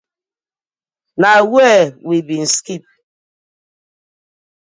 Na where we been stip?